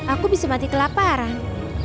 aku bisa mati kelaparan